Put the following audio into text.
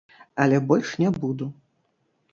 Але больш не буду.